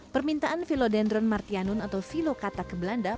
permintaan philodendron martianum atau philokatak ke belanda